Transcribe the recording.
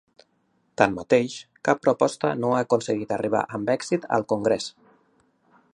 Tanmateix, cap proposta no ha aconseguit arribar amb èxit al Congrés.